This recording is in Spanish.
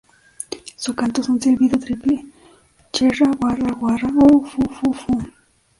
Su canto es un silbido triple: "cherra-warra-warra" o "foo-foo-foo".